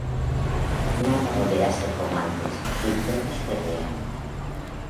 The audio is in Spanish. Nada volverá a ser como antes y todos perderán.